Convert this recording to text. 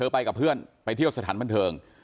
ไปกับเพื่อนไปเที่ยวสถานบันเทิง